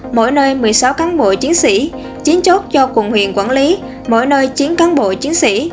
mỗi nơi một mươi sáu cán bộ chiến sĩ chín chốt do quận huyện quản lý mỗi nơi chín cán bộ chiến sĩ